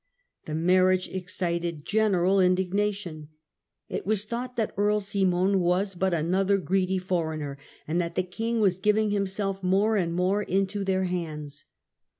The marriage excited general indignation. It was thought that Earl Simon was but another greedy foreigner, Simon de and that the king was giving himself more and Eariof' more into their hands.